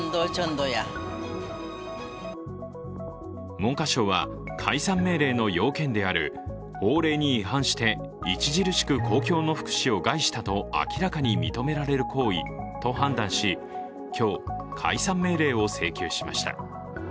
文科省は解散命令の要件である法令に違反して著しく公共の福祉を害したと明らかに認められる行為と判断し今日、解散命令を請求しました。